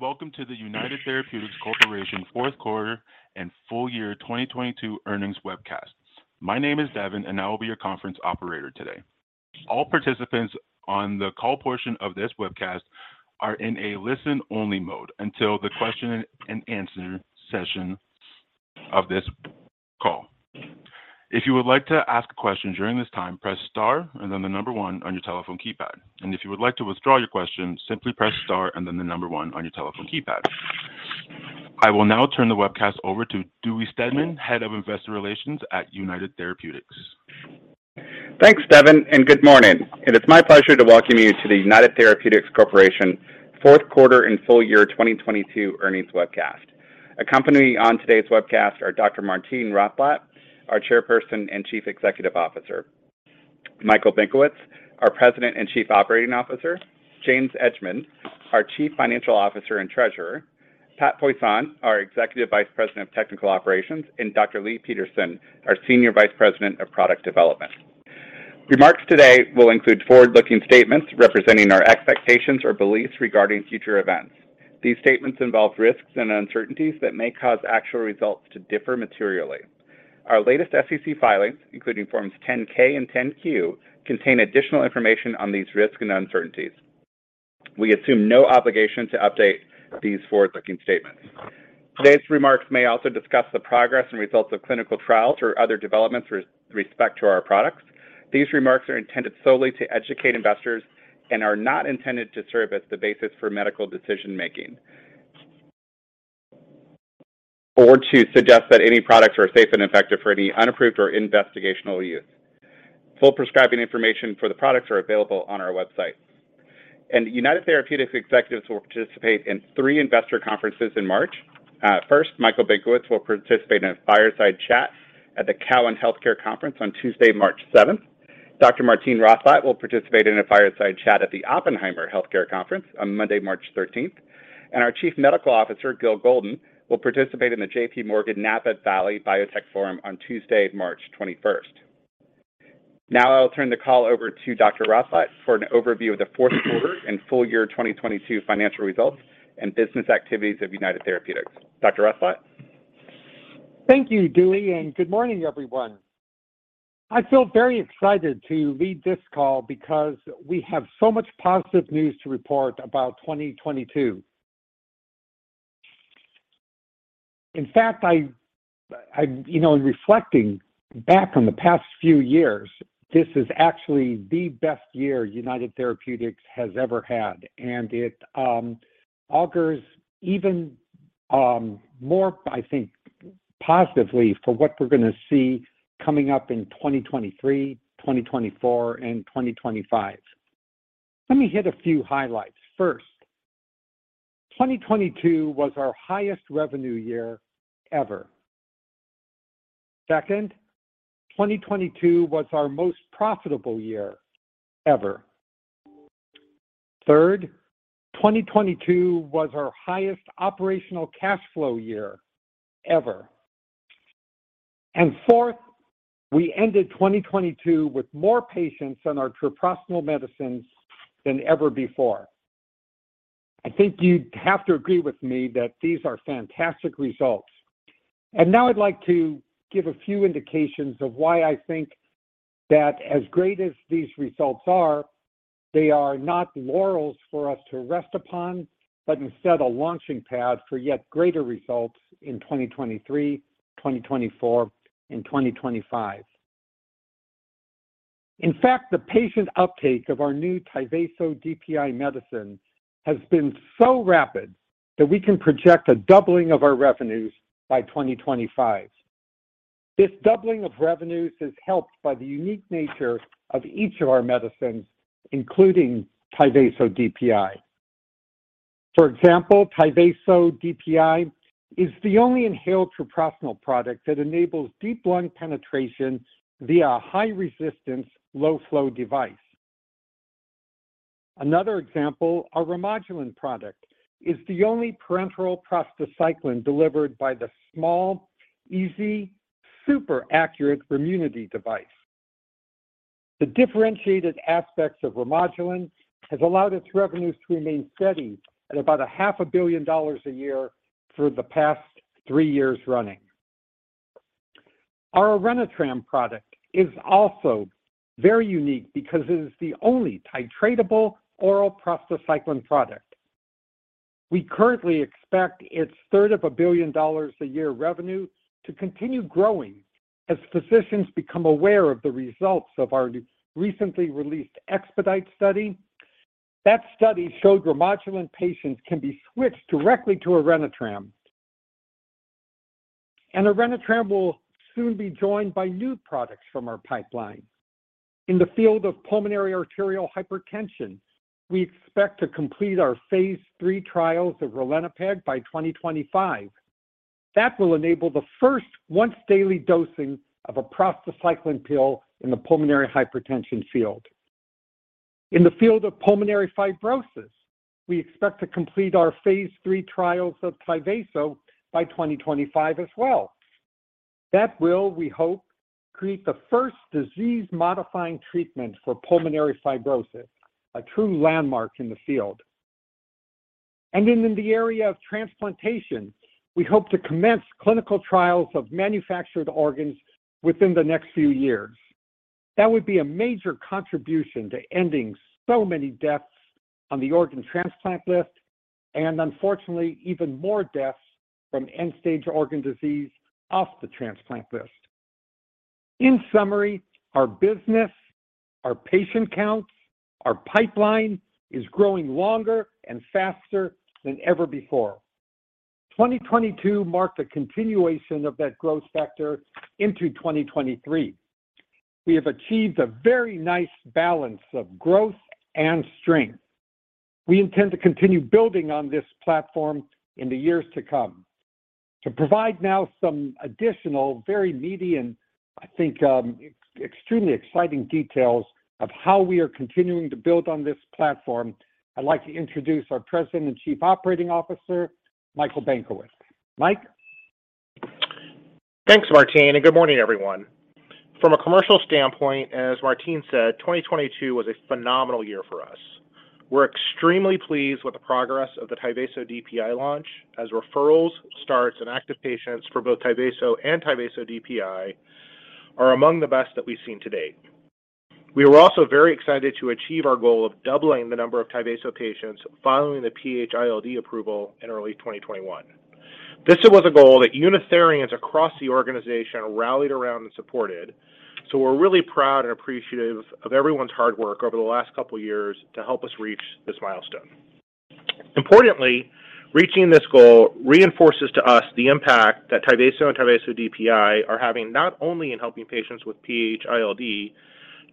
Welcome to the United Therapeutics Corporation fourth quarter and full year 2022 earnings webcast. My name is Devin. I will be your conference operator today. All participants on the call portion of this webcast are in a listen-only mode until the question-and-answer session of this call. If you would like to ask a question during this time, press star and then the 1 on your telephone keypad. If you would like to withdraw your question, simply press star and then the 1 on your telephone keypad. I will now turn the webcast over to Dewey Steadman, Head of Investor Relations at United Therapeutics. Thanks, Devin, and good morning. It is my pleasure to welcome you to the United Therapeutics Corporation fourth quarter and full year 2022 earnings webcast. Accompanying me on today's webcast are Dr. Martine Rothblatt, our Chairperson and Chief Executive Officer; Michael Benkowitz, our President and Chief Operating Officer; James Edgemond, our Chief Financial Officer and Treasurer; Pat Poisson, our Executive Vice President of Technical Operations; and Dr. Leigh Peterson, our Senior Vice President of Product Development. Remarks today will include forward-looking statements representing our expectations or beliefs regarding future events. These statements involve risks and uncertainties that may cause actual results to differ materially. Our latest SEC filings, including forms 10-K and 10-Q, contain additional information on these risks and uncertainties. We assume no obligation to update these forward-looking statements. Today's remarks may also discuss the progress and results of clinical trials or other developments with respect to our products. These remarks are intended solely to educate investors and are not intended to serve as the basis for medical decision-making or to suggest that any products are safe and effective for any unapproved or investigational use. Full prescribing information for the products are available on our website. United Therapeutics executives will participate in three investor conferences in March. First, Michael Benkowitz will participate in a Fireside Chat at the Cowen Health Care Conference on Tuesday, March 7th. Dr. Martine Rothblatt will participate in a fireside chat at the Oppenheimer Healthcare Conference on Monday, March 13th. Our Chief Medical Officer, Gil Golden, will participate in the JPMorgan Napa Valley Biotech Forum on Tuesday, March 21st. I will turn the call over to Dr. Rothblatt for an overview of the fourth quarter and full year 2022 financial results and business activities of United Therapeutics. Dr. Rothblatt. Thank you, Dewey. Good morning, everyone. I feel very excited to lead this call because we have so much positive news to report about 2022. In fact, I, you know, reflecting back on the past few years, this is actually the best year United Therapeutics has ever had, and it augurs even more, I think, positively for what we're going to see coming up in 2023, 2024, and 2025. Let me hit a few highlights. First, 2022 was our highest revenue year ever. Second, 2022 was our most profitable year ever. Third, 2022 was our highest operational cash flow year ever. Fourth, we ended 2022 with more patients on our treprostinil medicines than ever before. I think you'd have to agree with me that these are fantastic results. Now I'd like to give a few indications of why I think that as great as these results are, they are not laurels for us to rest upon, but instead a launching pad for yet greater results in 2023, 2024, and 2025. In fact, the patient uptake of our new Tyvaso DPI medicine has been so rapid that we can project a doubling of our revenues by 2025. This doubling of revenues is helped by the unique nature of each of our medicines, including Tyvaso DPI. For example, Tyvaso DPI is the only inhaled treprostinil product that enables deep lung penetration via a high-resistance, low-flow device. Another example, our Remodulin product is the only parenteral prostacyclin delivered by the small, easy, super accurate REMUNITY device. The differentiated aspects of Remodulin has allowed its revenues to remain steady at about a half a billion dollars a year for the past three years running. Our Orenitram product is also very unique because it is the only titratable oral prostacyclin product. We currently expect its third of a billion dollars a year revenue to continue growing as physicians become aware of the results of our recently released EXPEDITE study. That study showed Remodulin patients can be switched directly to Orenitram. Orenitram will soon be joined by new products from our pipeline. In the field of pulmonary arterial hypertension, we expect to complete our phase III trials of ralinepag by 2025. That will enable the first once-daily dosing of a prostacyclin pill in the pulmonary hypertension field. In the field of pulmonary fibrosis, we expect to complete our phase III trials of Tyvaso by 2025 as well. That will, we hope, create the first disease-modifying treatment for pulmonary fibrosis, a true landmark in the field. In the area of transplantation, we hope to commence clinical trials of manufactured organs within the next few years. That would be a major contribution to ending so many deaths on the organ transplant list and unfortunately even more deaths from end-stage organ disease off the transplant list. In summary, our business, our patient counts, our pipeline is growing longer and faster than ever before. 2022 marked a continuation of that growth factor into 2023. We have achieved a very nice balance of growth and strength. We intend to continue building on this platform in the years to come. To provide now some additional very meaty and I think, extremely exciting details of how we are continuing to build on this platform, I'd like to introduce our President and Chief Operating Officer, Michael Benkowitz. Mike? Thanks, Martine. Good morning, everyone. From a commercial standpoint, as Martine said, 2022 was a phenomenal year for us. We're extremely pleased with the progress of the Tyvaso DPI launch as referrals, starts, and active patients for both Tyvaso and Tyvaso DPI are among the best that we've seen to date. We were also very excited to achieve our goal of doubling the number of Tyvaso patients following the PH-ILD approval in early 2021. This was a goal that Unitherians across the organization rallied around and supported, so we're really proud and appreciative of everyone's hard work over the last couple of years to help us reach this milestone. Importantly, reaching this goal reinforces to us the impact that Tyvaso and Tyvaso DPI are having not only in helping patients with PH-ILD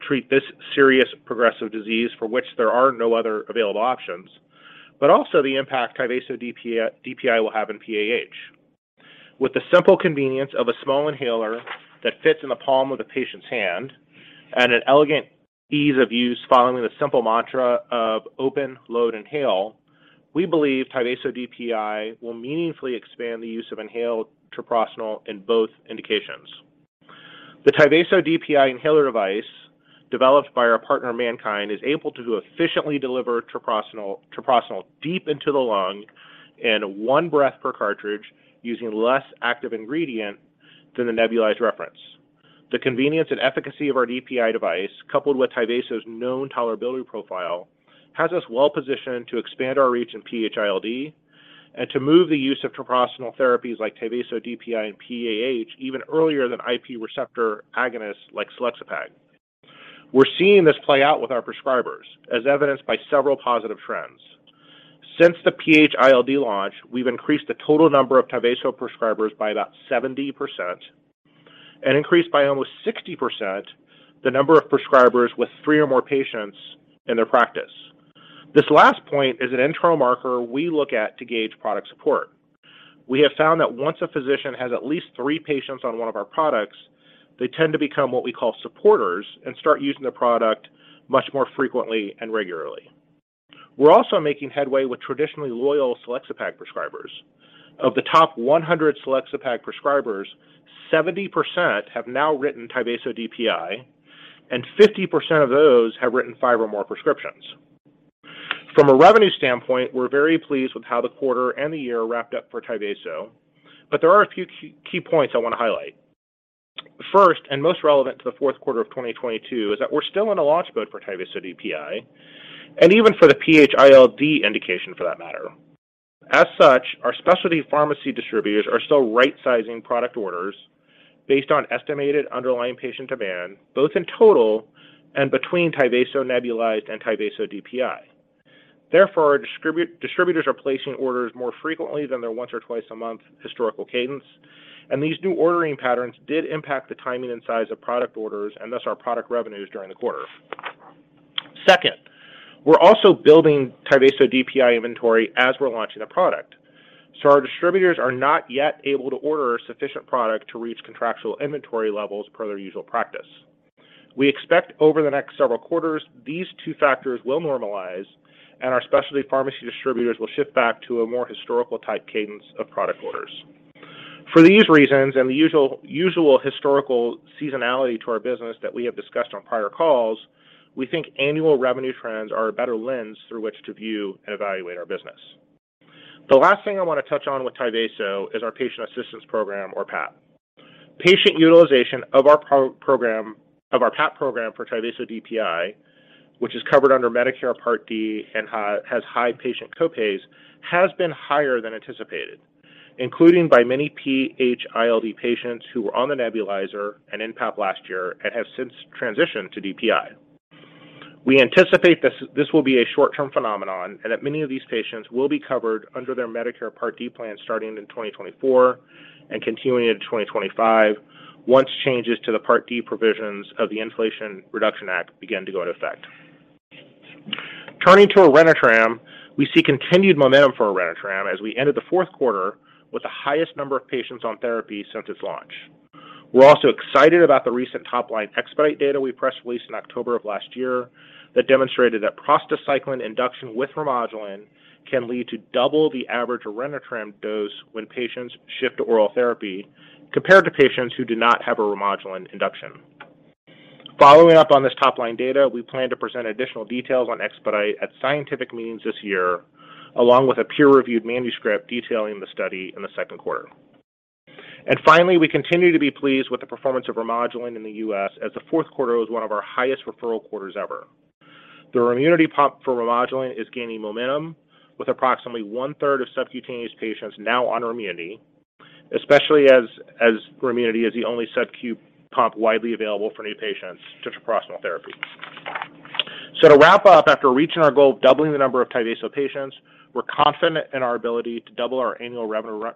treat this serious progressive disease for which there are no other available options, but also the impact Tyvaso DPI will have in PAH. With the simple convenience of a small inhaler that fits in the palm of the patient's hand and an elegant ease of use following the simple mantra of open, load, inhale, we believe Tyvaso DPI will meaningfully expand the use of inhaled treprostinil in both indications. The Tyvaso DPI inhaler device developed by our partner, MannKind, is able to efficiently deliver treprostinil deep into the lung in one breath per cartridge using less active ingredient than the nebulized reference. The convenience and efficacy of our DPI device, coupled with Tyvaso's known tolerability profile, has us well-positioned to expand our reach in PH-ILD and to move the use of treprostinil therapies like Tyvaso DPI and PAH even earlier than IP receptor agonists like selexipag. We're seeing this play out with our prescribers, as evidenced by several positive trends. Since the PH-ILD launch, we've increased the total number of Tyvaso prescribers by about 70% and increased by almost 60% the number of prescribers with 3 or more patients in their practice. This last point is an intro marker we look at to gauge product support. We have found that once a physician has at least 3 patients on one of our products, they tend to become what we call supporters and start using the product much more frequently and regularly. We're also making headway with traditionally loyal selexipag prescribers. Of the top 100 selexipag prescribers, 70% have now written Tyvaso DPI, and 50% of those have written five or more prescriptions. From a revenue standpoint, we're very pleased with how the quarter and the year wrapped up for Tyvaso, there are a few key points I want to highlight. First, most relevant to the fourth quarter of 2022, is that we're still in a launch mode for Tyvaso DPI, even for the PH-ILD indication for that matter. As such, our specialty pharmacy distributors are still right-sizing product orders based on estimated underlying patient demand, both in total and between Tyvaso nebulized and Tyvaso DPI. Therefore, our distributors are placing orders more frequently than their once or twice a month historical cadence. These new ordering patterns did impact the timing and size of product orders and thus our product revenues during the quarter. Second, we're also building Tyvaso DPI inventory as we're launching the product. Our distributors are not yet able to order a sufficient product to reach contractual inventory levels per their usual practice. We expect over the next several quarters, these two factors will normalize. Our specialty pharmacy distributors will shift back to a more historical-type cadence of product orders. For these reasons and the usual historical seasonality to our business that we have discussed on prior calls, we think annual revenue trends are a better lens through which to view and evaluate our business. The last thing I want to touch on with Tyvaso is our patient assistance program or PAP. Patient utilization of our PAP program for Tyvaso DPI, which is covered under Medicare Part D and has high patient co-pays, has been higher than anticipated, including by many PH-ILD patients who were on the nebulizer and in PAP last year and have since transitioned to DPI. We anticipate this will be a short-term phenomenon and that many of these patients will be covered under their Medicare Part D plan starting in 2024 and continuing into 2025 once changes to the Part D provisions of the Inflation Reduction Act begin to go into effect. Turning to Orenitram, we see continued momentum for Orenitram as we ended the fourth quarter with the highest number of patients on therapy since its launch. We're also excited about the recent top-line EXPEDITE data we press-released in October of last year that demonstrated that prostacyclin induction with Remodulin can lead to double the average Orenitram dose when patients shift to oral therapy compared to patients who do not have a Remodulin induction. Following up on this top-line data, we plan to present additional details on EXPEDITE at scientific meetings this year, along with a peer-reviewed manuscript detailing the study in the second quarter. Finally, we continue to be pleased with the performance of Remodulin in the U.S. as the fourth quarter was one of our highest referral quarters ever. The REMUNITY pump for Remodulin is gaining momentum, with approximately one-third of subcutaneous patients now on REMUNITY, especially as REMUNITY is the only subcu pump widely available for new patients to prostacyclin therapy. To wrap up, after reaching our goal of doubling the number of Tyvaso patients, we're confident in our ability to double our annual revenue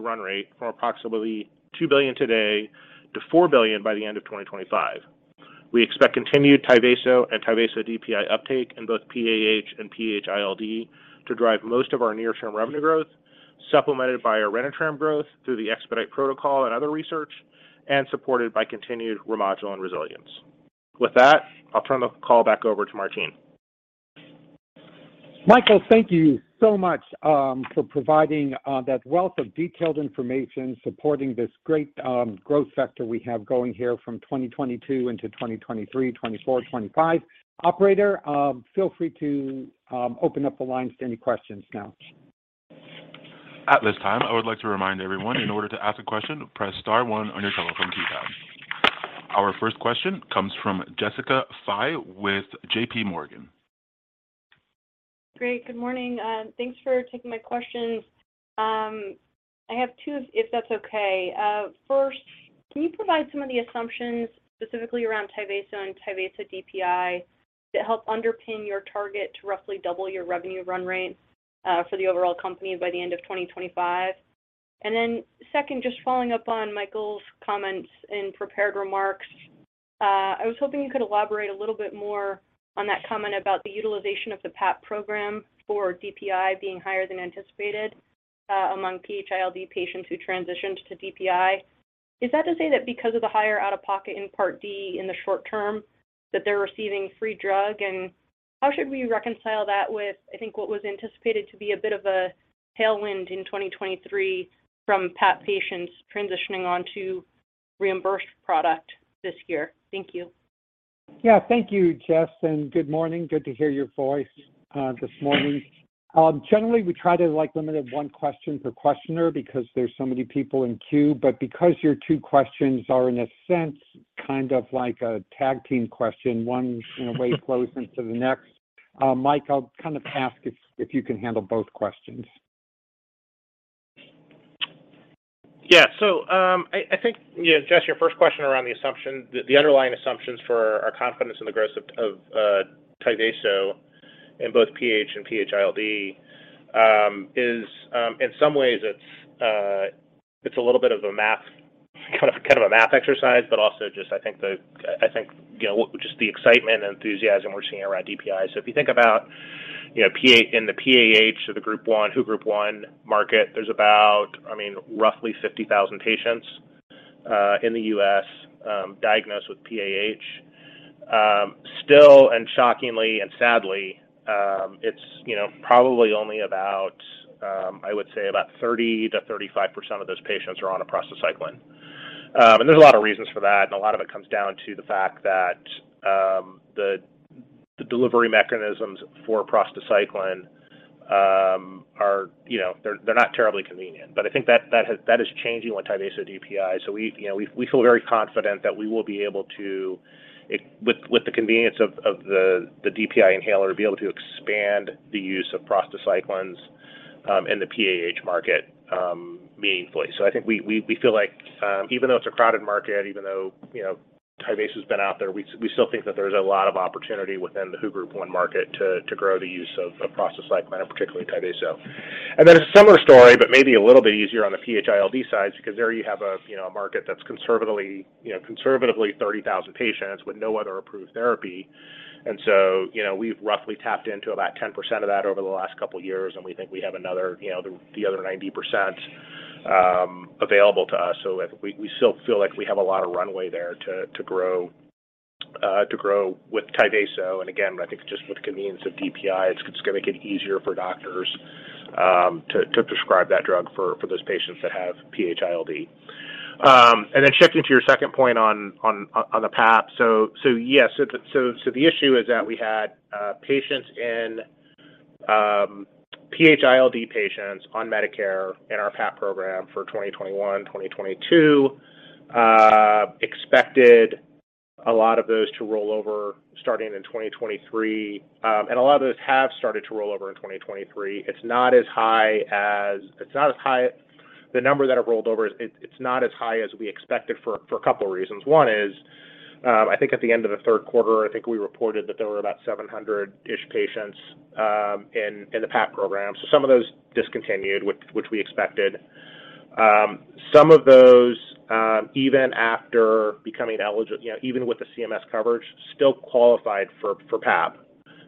run rate from approximately $2 billion today to $4 billion by the end of 2025. We expect continued Tyvaso and Tyvaso DPI uptake in both PAH and PH-ILD to drive most of our near-term revenue growth, supplemented by our Orenitram growth through the EXPEDITE protocol and other research, and supported by continued Remodulin resilience. With that, I'll turn the call back over to Martine. Michael, thank you so much, for providing, that wealth of detailed information supporting this great, growth sector we have going here from 2022 into 2023, 2024, 2025. Operator, feel free to, open up the lines to any questions now. At this time, I would like to remind everyone in order to ask a question, press star one on your telephone keypad. Our first question comes from Jessica Fye with JPMorgan. Great. Good morning. Thanks for taking my questions. I have two if that's okay. First, can you provide some of the assumptions specifically around Tyvaso and Tyvaso DPI that help underpin your target to roughly double your revenue run rate for the overall company by the end of 2025? Second, just following up on Michael's comments in prepared remarks, I was hoping you could elaborate a little bit more on that comment about the utilization of the PAP program for DPI being higher than anticipated among PH-ILD patients who transitioned to DPI. Is that to say that because of the higher out-of-pocket in Part D in the short term, that they're receiving free drug? How should we reconcile that with, I think, what was anticipated to be a bit of a tailwind in 2023 from PAP patients transitioning on to reimbursed product this year? Thank you. Yeah. Thank you, Jess, and good morning. Good to hear your voice this morning. Generally, we try to, like, limit it one question per questioner because there's so many people in queue. Because your two questions are in a sense kind of like a tag team question, one, you know, way flows into the next, Mike, I'll kind of ask if you can handle both questions. I think, Jess, your first question around the underlying assumptions for our confidence in the growth of Tyvaso in both PH and PH-ILD, is in some ways it's a little bit of a math, kind of a math exercise, but also just I think, you know, just the excitement and enthusiasm we're seeing around DPIs. If you think about, you know, in the PAH, so the WHO Group 1 market, there's about, I mean, roughly 50,000 patients in the U.S., diagnosed with PAH. Still and shockingly and sadly, it's, you know, probably only about I would say about 30%-35% of those patients are on a prostacyclin. There's a lot of reasons for that, and a lot of it comes down to the fact that the delivery mechanisms for prostacyclin are, you know, they're not terribly convenient. I think that is changing on Tyvaso DPI. We, you know, we feel very confident that we will be able to with the convenience of the DPI inhaler, be able to expand the use of prostacyclins in the PAH market meaningfully. I think we feel like even though it's a crowded market, even though, you know, Tyvaso's been out there, we still think that there's a lot of opportunity within the WHO Group 1 market to grow the use of prostacyclin and particularly Tyvaso. A similar story, but maybe a little bit easier on the PH-ILD side because there you have a market that's conservatively 30,000 patients with no other approved therapy. We've roughly tapped into about 10% of that over the last couple years, and we think we have another, the other 90% available to us. We still feel like we have a lot of runway there to grow, to grow with Tyvaso. Again, I think just with the convenience of DPI, it's gonna make it easier for doctors to prescribe that drug for those patients that have PH-ILD. Shifting to your second point on the PAP. Yes. The issue is that we had patients in PH-ILD patients on Medicare in our PAP program for 2021, 2022. Expected a lot of those to roll over starting in 2023, and a lot of those have started to roll over in 2023. The number that have rolled over, it's not as high as we expected for a couple reasons. One is, I think at the end of the third quarter, I think we reported that there were about 700-ish patients in the PAP program. Some of those discontinued, which we expected. Some of those, you know, even after becoming, even with the CMS coverage, still qualified for PAP,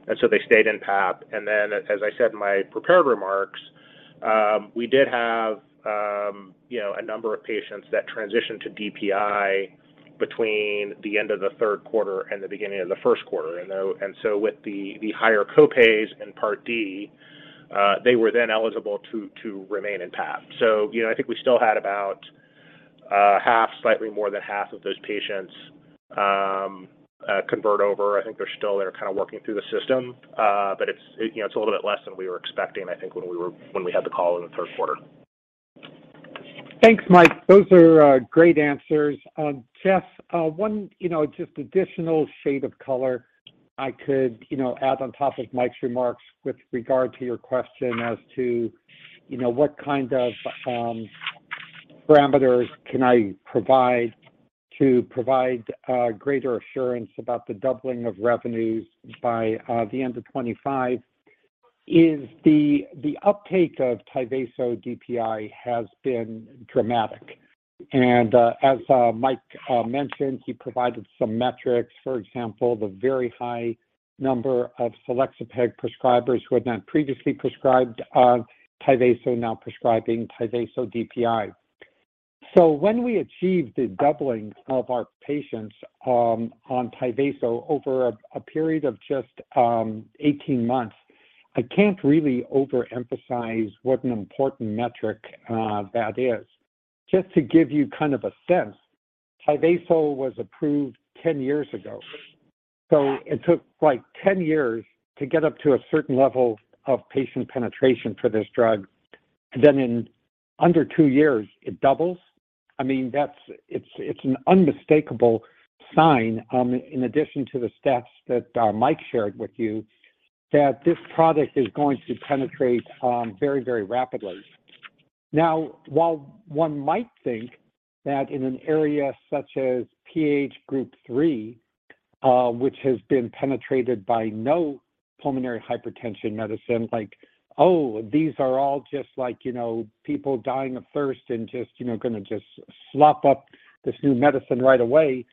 they stayed in PAP. As I said in my prepared remarks, we did have, you know, a number of patients that transitioned to DPI between the end of the third quarter and the beginning of the first quarter. With the higher co-pays in Part D, they were then eligible to remain in PAP. You know, I think we still had about half, slightly more than half of those patients convert over. I think they're still there kind of working through the system. It's, you know, it's a little bit less than we were expecting, I think when we had the call in the third quarter. Thanks, Mike. Those are great answers. Jeff, one, you know, just additional shade of color I could, you know, add on top of Mike's remarks with regard to your question as to, you know, what kind of parameters can I provide to provide greater assurance about the doubling of revenues by the end of 2025 is the uptake of Tyvaso DPI has been dramatic. As Mike mentioned, he provided some metrics. For example, the very high number of selexipag prescribers who had not previously prescribed Tyvaso now prescribing Tyvaso DPI. When we achieved the doubling of our patients on Tyvaso over a period of just 18 months, I can't really overemphasize what an important metric that is. Just to give you kind of a sense, Tyvaso was approved 10 years ago. It took, like, 10 years to get up to a certain level of patient penetration for this drug. Then in under two years, it doubles. I mean, it's an unmistakable sign, in addition to the stats that Mike shared with you, that this product is going to penetrate very, very rapidly. While one might think that in an area such as PH Group 3, which has been penetrated by no pulmonary hypertension medicine, like, oh, these are all just like, you know, people dying of thirst and just, you know, gonna just slop up this new medicine right away.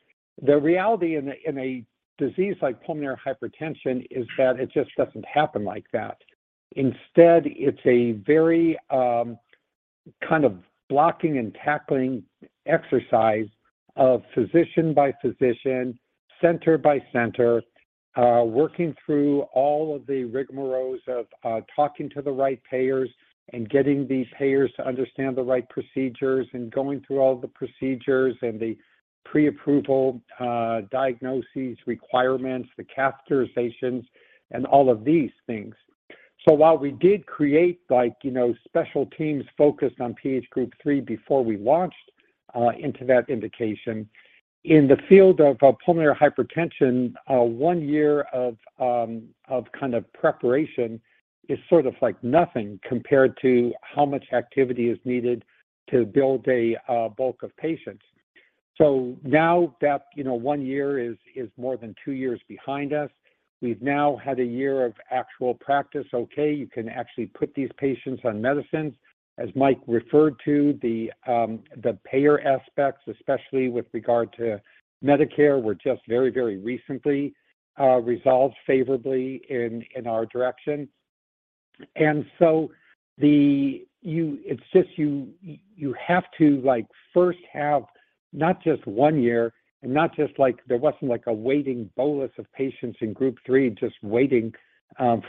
The reality in a, in a disease like pulmonary hypertension is that it just doesn't happen like that. Instead, it's a very, kind of blocking and tackling exercise of physician by physician, center by center, working through all of the rigmaroles of talking to the right payers and getting these payers to understand the right procedures and going through all the procedures and the pre-approval diagnoses, requirements, the catheterizations, and all of these things. While we did create like, you know, special teams focused on PH Group 3 before we launched into that indication, in the field of pulmonary hypertension, one year of kind of preparation is sort of like nothing compared to how much activity is needed to build a bulk of patients. Now that, you know, one year is more than two years behind us, we've now had a year of actual practice. Okay, you can actually put these patients on medicines. As Mike referred to, the payer aspects, especially with regard to Medicare, were just very recently resolved favorably in our direction. It's just you have to, like, first have not just one year and not just like there wasn't like a waiting bolus of patients in Group 3 just waiting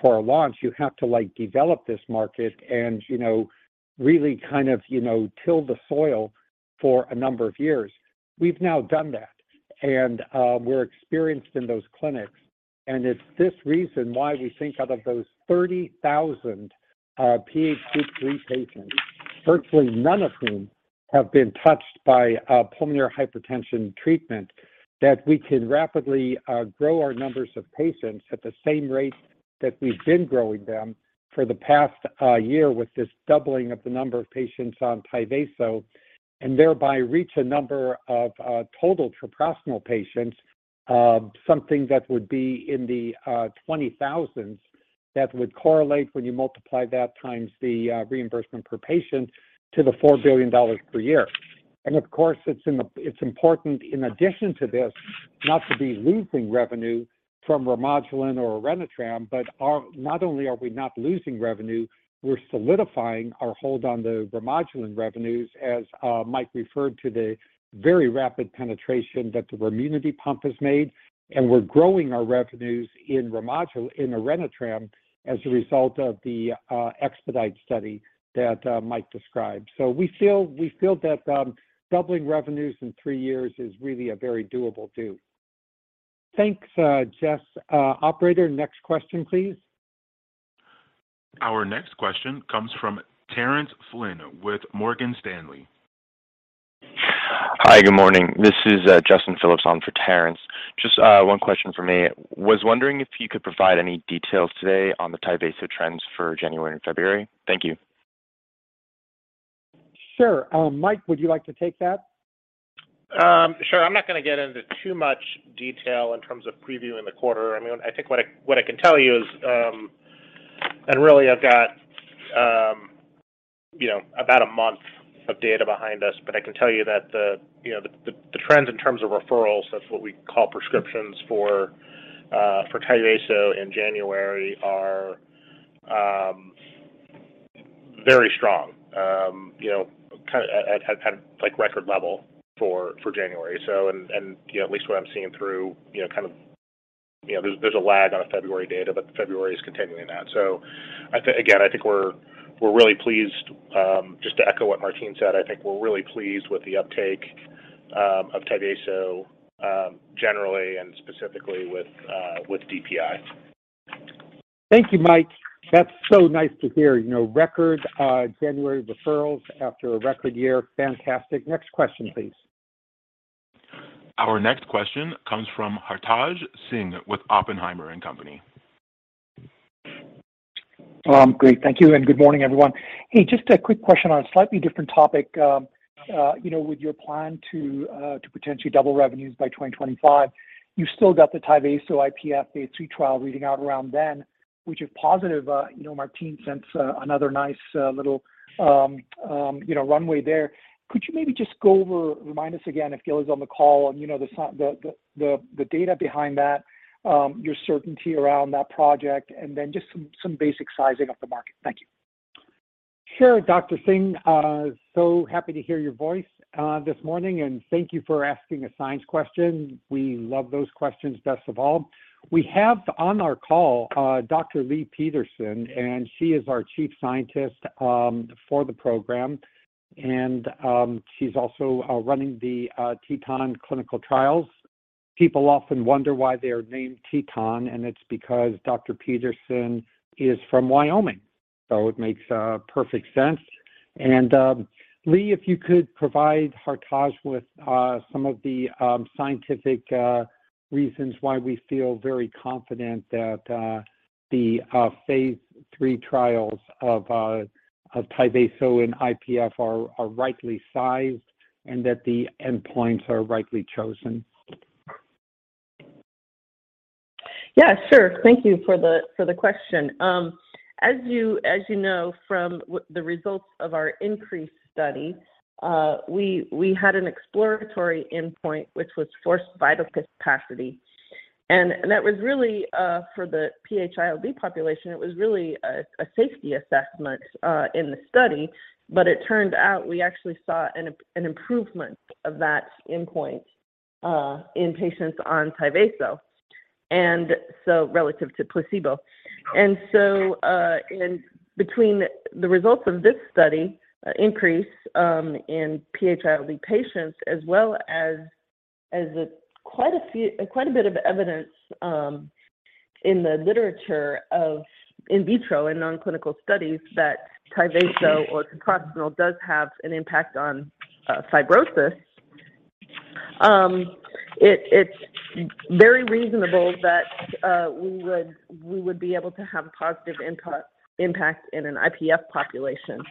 for a launch. You have to, like, develop this market and, you know, really kind of, you know, till the soil for a number of years. We've now done that, and we're experienced in those clinics. It's this reason why we think out of those 30,000 PH Group 3 patients, virtually none of whom have been touched by a pulmonary hypertension treatment, that we can rapidly grow our numbers of patients at the same rate that we've been growing them for the past year with this doubling of the number of patients on Tyvaso, and thereby reach a number of total treprostinil patients, something that would be in the 20,000s. That would correlate when you multiply that times the reimbursement per patient to the $4 billion per year. Of course, it's important in addition to this not to be losing revenue from Remodulin or Orenitram, not only are we not losing revenue, we're solidifying our hold on the Remodulin revenues as Mike referred to the very rapid penetration that the REMUNITY pump has made. We're growing our revenues in Orenitram as a result of the EXPEDITE study that Mike described. We feel that doubling revenues in 3 years is really a very doable too. Thanks Jess. Operator, next question, please. Our next question comes from Terence Flynn with Morgan Stanley. Hi, good morning. This is Justin Phillips on for Terence. Just, one question for me. Was wondering if you could provide any details today on the Tyvaso trends for January and February. Thank you. Sure. Mike, would you like to take that? Sure. I'm not gonna get into too much detail in terms of previewing the quarter. I mean, I think what I, what I can tell you is, and really I've got, you know, about a month of data behind us, but I can tell you that the, you know, the trends in terms of referrals, that's what we call prescriptions for Tyvaso in January are. Very strong. You know, kind of at kind of like record level for January. You know, at least what I'm seeing through, you know. You know, there's a lag on our February data, but February is continuing that. Again, I think we're really pleased, just to echo what Martine said, I think we're really pleased with the uptake of Tyvaso generally and specifically with DPI. Thank you, Mike. That's so nice to hear. You know, record January referrals after a record year. Fantastic. Next question, please. Our next question comes from Hartaj Singh with Oppenheimer & Company. Great. Thank you. Good morning, everyone. Hey, just a quick question on a slightly different topic. you know, with your plan to potentially double revenues by 2025, you've still got the Tyvaso IPF phase II trial reading out around then, which if positive, you know, Martine sends another nice little, you know, runway there. Could you maybe just go over, remind us again, if Gil is on the call, you know, the data behind that, your certainty around that project, and then just some basic sizing of the market. Thank you. Sure, Dr. Singh. So happy to hear your voice this morning, and thank you for asking a science question. We love those questions best of all. We have on our call, Dr. Leigh Peterson, and she is our Chief Scientist for the program. She's also running the TETON clinical trials. People often wonder why they are named TETON, and it's because Dr. Peterson is from Wyoming, so it makes perfect sense. Leigh, if you could provide Hartaj with some of the scientific reasons why we feel very confident that the phase III trials of Tyvaso in IPF are rightly sized and that the endpoints are rightly chosen. Yeah, sure. Thank you for the question. As you, as you know from the results of our INCREASE study, we had an exploratory endpoint, which was forced vital capacity. That was really for the PH-ILD population, it was really a safety assessment in the study. It turned out we actually saw an improvement of that endpoint in patients on Tyvaso, and so relative to placebo. Between the results of this study INCREASE in PH-ILD patients, as well as a quite a bit of evidence in the literature of in vitro and non-clinical studies that Tyvaso or pirfenidone does have an impact on fibrosis. It's very reasonable that we would be able to have positive input impact in an IPF population.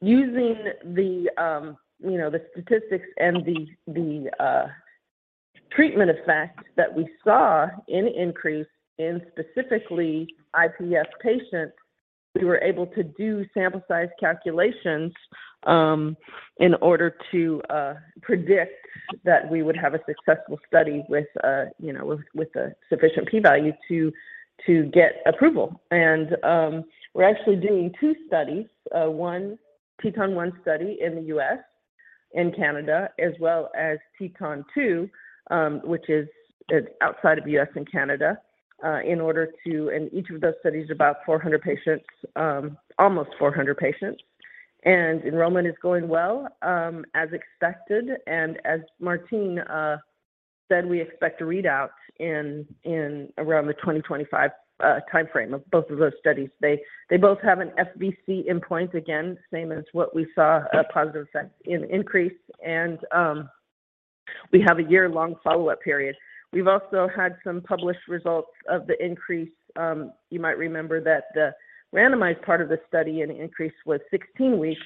Using the, you know, the statistics and the treatment effect that we saw in INCREASE in specifically IPF patients, we were able to do sample size calculations in order to predict that we would have a successful study with, you know, a sufficient p-value to get approval. We're actually doing two studies, one TETON 1 study in the U.S. and Canada, as well as TETON 2, which is outside of the U.S. and Canada. Each of those studies is about 400 patients, almost 400 patients. Enrollment is going well, as expected. As Martine said, we expect a readout in around the 2025 timeframe of both of those studies. They both have an FVC endpoint. Same as what we saw a positive effect in INCREASE, and we have a year-long follow-up period. We've also had some published results of the INCREASE. You might remember that the randomized part of the study and INCREASE was 16 weeks,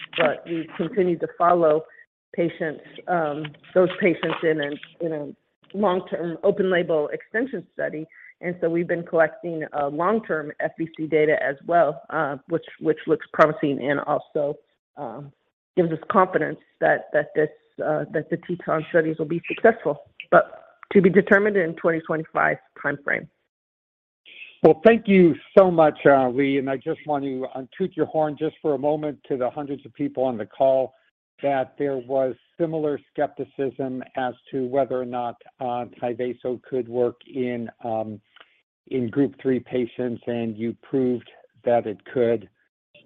but we continued to follow patients, those patients in a long-term open label extension study. We've been collecting long-term FVC data as well, which looks promising and also gives us confidence that this, that the TETON studies will be successful. To be determined in 2025 timeframe. Well, thank you so much, Leigh. I just want to toot your horn just for a moment to the hundreds of people on the call that there was similar skepticism as to whether or not Tyvaso could work in Group 3 patients, and you proved that it could.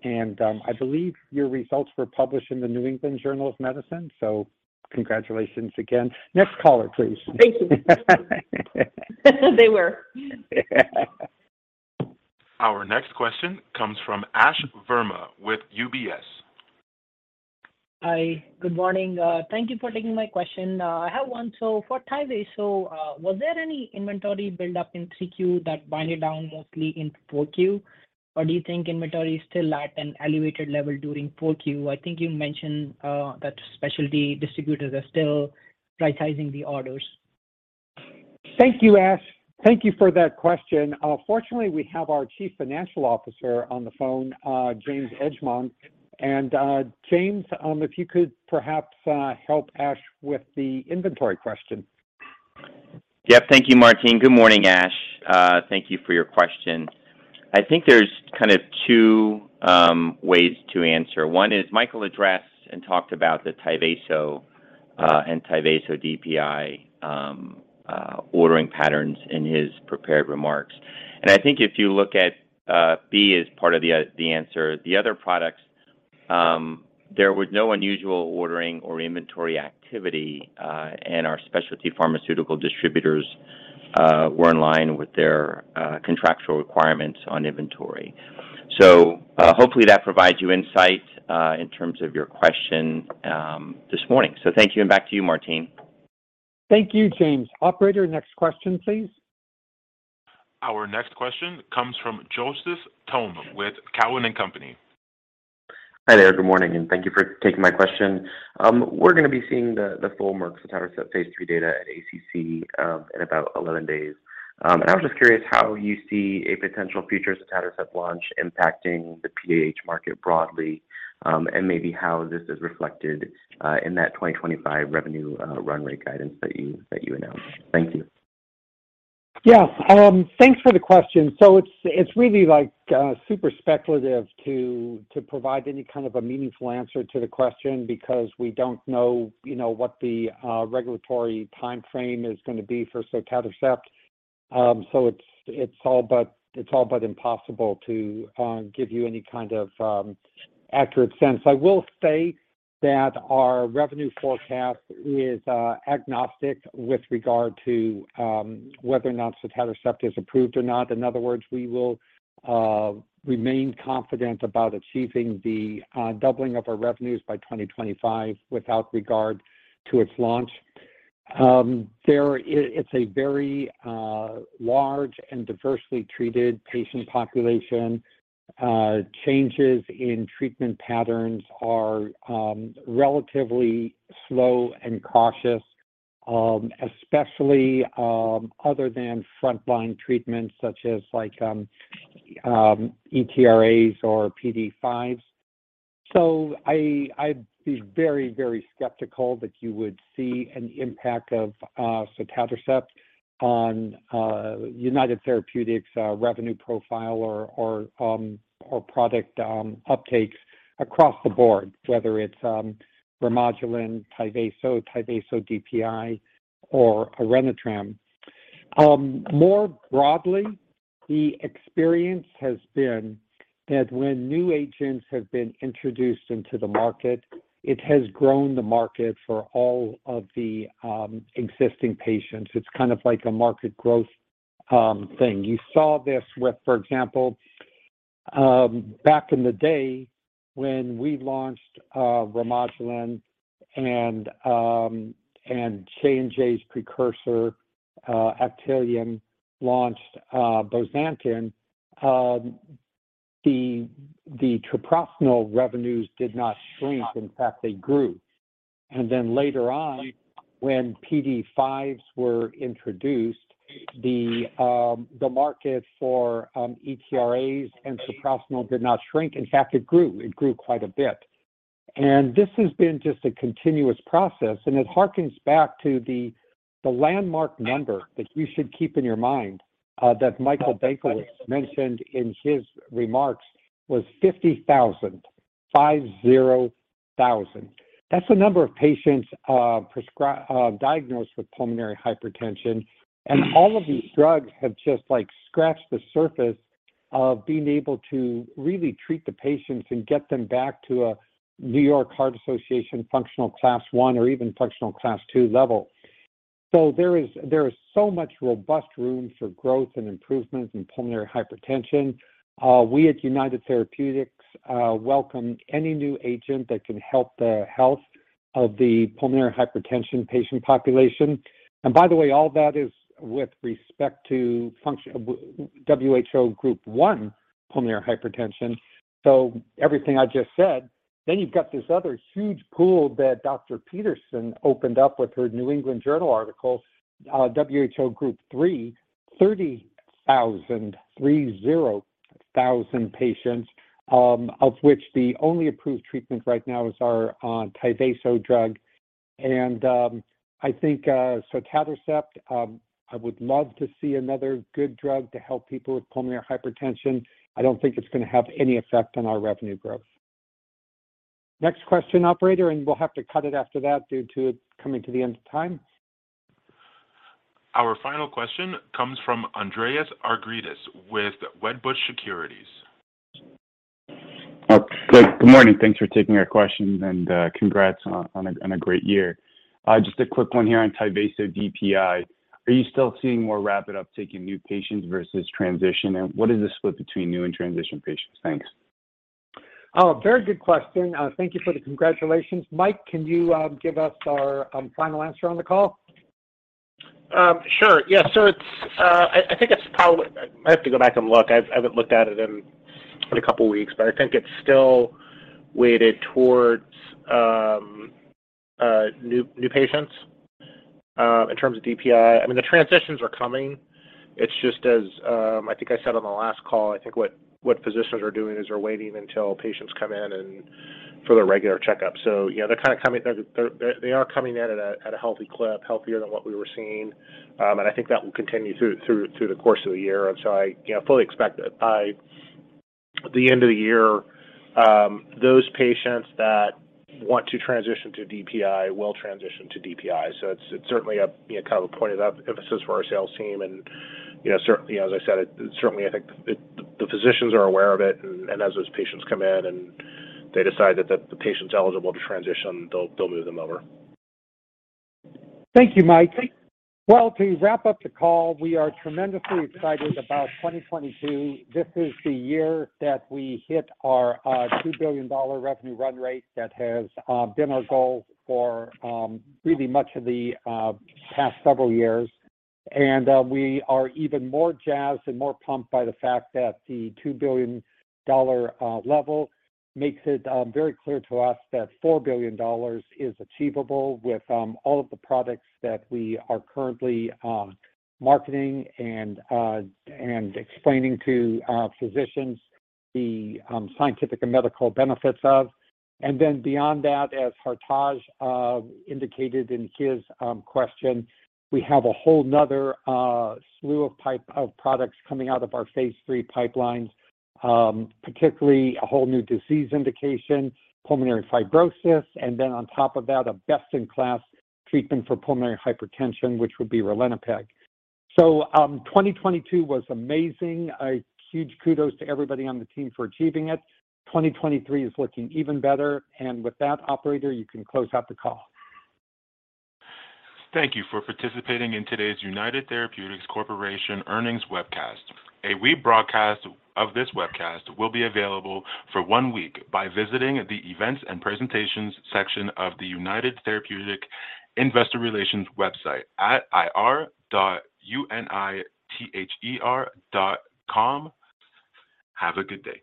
I believe your results were published in the New England Journal of Medicine. Congratulations again. Next caller, please. Thank you. They were. Our next question comes from Ashwani Verma with UBS. Hi. Good morning. Thank you for taking my question. I have one. For Tyvaso, was there any inventory build up in three Q that winded down mostly in four Q? Do you think inventory is still at an elevated level during four Q? I think you mentioned, that specialty distributors are still prioritizing the orders. Thank you, Ash. Thank you for that question. Fortunately, we have our Chief Financial Officer on the phone, James Edgemond. James, if you could perhaps, help Ash with the inventory question. Yep. Thank you, Martine. Good morning, Ash. Thank you for your question. I think there's kind of 2 ways to answer. One is Michael addressed and talked about the Tyvaso and Tyvaso DPI ordering patterns in his prepared remarks. I think if you look at B as part of the answer, the other products, there was no unusual ordering or inventory activity, and our specialty pharmaceutical distributors were in line with their contractual requirements on inventory. Hopefully that provides you insight in terms of your question this morning. Thank you and back to you, Martine. Thank you, James. Operator, next question, please. Our next question comes from Joseph Thome with Cowen and Company. Hi there. Good morning. Thank you for taking my question. We're gonna be seeing the full Merck sotatercept phase III data at ACC, in about 11 days. I was just curious how you see a potential future sotatercept launch impacting the PAH market broadly, and maybe how this is reflected in that 2025 revenue run rate guidance that you announced. Thank you. Yeah. Thanks for the question. It's, it's really, like, super speculative to provide any kind of a meaningful answer to the question because we don't know, you know, what the regulatory timeframe is gonna be for sotatercept. It's all but impossible to give you any kind of accurate sense. I will say that our revenue forecast is agnostic with regard to whether or not sotatercept is approved or not. In other words, we will remain confident about achieving the doubling of our revenues by 2025 without regard to its launch. It's a very large and diversely treated patient population. Changes in treatment patterns are relatively slow and cautious, especially other than frontline treatments such as like, ETRA or PDE-5s. I'd be very, very skeptical that you would see an impact of sotatercept on United Therapeutics' revenue profile or product uptakes across the board, whether it's Remodulin, Tyvaso DPI, or Orenitram. More broadly, the experience has been that when new agents have been introduced into the market, it has grown the market for all of the existing patients. It's kind of like a market growth thing. You saw this with, for example, back in the day when we launched Remodulin and J&J's precursor, Actelion launched Bosentan. The treprostinil revenues did not shrink. In fact, they grew. Later on, when PDE-5s were introduced, the market for ETRA and treprostinil did not shrink. In fact, it grew. It grew quite a bit. This has been just a continuous process, and it harkens back to the landmark number that you should keep in your mind that Michael Benkowitz mentioned in his remarks was 50,000. 50,000. That's the number of patients diagnosed with pulmonary hypertension. All of these drugs have just, like, scratched the surface of being able to really treat the patients and get them back to a New York Heart Association functional class 1 or even functional class 2 level. There is so much robust room for growth and improvement in pulmonary hypertension. We at United Therapeutics welcome any new agent that can help the health of the pulmonary hypertension patient population. By the way, all that is with respect to WHO Group 1 pulmonary hypertension. Everything I just said. You've got this other huge pool that Dr. Peterson opened up with her New England Journal article, WHO Group 3. 30,000 patients, of which the only approved treatment right now is our Tyvaso drug. I think sotatercept, I would love to see another good drug to help people with pulmonary hypertension. I don't think it's gonna have any effect on our revenue growth. Next question, operator. We'll have to cut it after that due to coming to the end of time. Our final question comes from Andreas Argyrides with Wedbush Securities. Great. Good morning. Thanks for taking our questions, and congrats on a great year. Just a quick one here on Tyvaso DPI. Are you still seeing more rapid uptake in new patients versus transition, and what is the split between new and transition patients? Thanks. Oh, very good question. Thank you for the congratulations. Mike, can you give us our final answer on the call? Sure. Yes. It's, I think it's probably... I have to go back and look. I haven't looked at it in a couple weeks, but I think it's still weighted towards, new patients, in terms of DPI. I mean, the transitions are coming. It's just as, I think I said on the last call, I think what physicians are doing is they're waiting until patients come in and. for their regular checkup. you know, they are coming in at a healthy clip, healthier than what we were seeing. I think that will continue through the course of the year. I, you know, fully expect that by the end of the year, those patients that want to transition to DPI will transition to DPI. it's certainly a, you know, kind of a point of emphasis for our sales team and, you know, certainly, as I said, certainly I think the physicians are aware of it. as those patients come in and they decide that the patient's eligible to transition, they'll move them over. Thank you, Mike. Well, to wrap up the call, we are tremendously excited about 2022. This is the year that we hit our $2 billion revenue run rate that has been our goal for really much of the past several years. We are even more jazzed and more pumped by the fact that the $2 billion level makes it very clear to us that $4 billion is achievable with all of the products that we are currently marketing and explaining to our physicians the scientific and medical benefits of. Beyond that, as Hartaj indicated in his question, we have a whole nother slew of products coming out of our phase III pipelines, particularly a whole new disease indication, pulmonary fibrosis, and then on top of that, a best-in-class treatment for pulmonary hypertension, which would be ralinepag. 2022 was amazing. A huge kudos to everybody on the team for achieving it. 2023 is looking even better. With that, operator, you can close out the call. Thank you for participating in today's United Therapeutics Corporation earnings webcast. A webcast of this webcast will be available for one week by visiting the Events and Presentations section of the United Therapeutics Investor Relations website at ir.unither.com. Have a good day.